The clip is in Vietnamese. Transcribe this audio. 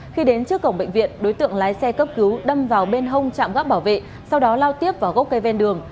khi đến trước cổng bệnh viện đối tượng lái xe cấp cứu đâm vào bên hông trạm gác bảo vệ sau đó lao tiếp vào gốc cây ven đường